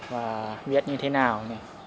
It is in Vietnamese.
và viết như thế nào